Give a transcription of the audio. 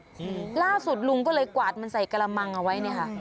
อืมล่าสุดลุงก็เลยกวาดมันใส่กระมังเอาไว้เนี้ยค่ะ